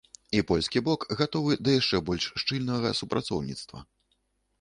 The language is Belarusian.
І польскі бок гатовы да яшчэ больш шчыльнага супрацоўніцтва.